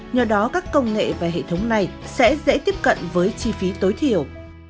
nhờ đó các công nghệ và hệ thống này sẽ dễ tiếp cận với chi phí tối thiểu